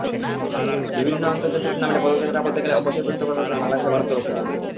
বিভিন্ন আন্তর্জাতিক টুর্নামেন্টে পদক জেতাটা বলতে গেলে অভ্যাসেই পরিণত করে ফেলেছেন বাংলাদেশের ভারোত্তোলকেরা।